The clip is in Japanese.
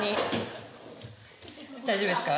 大丈夫ですか？